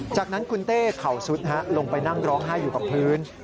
จากนั้นคุณเต้เข่าซุดลงไปนั่งร้องไห้อยู่กับพื้น